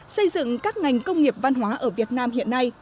xây dựng các ngành công nghiệp văn hóa ở việt nam hiện nay